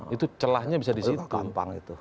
itu celahnya bisa di situ